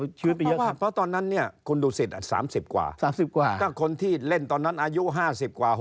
เพราะว่าเพราะตอนนั้นเนี่ยคุณดูสิศแหละสามสิบกว่า